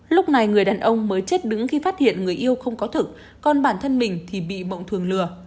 lúc này người đàn ông mới chết đứng khi phát hiện người yêu không có thực còn bản thân mình thì bị bộng thường lừa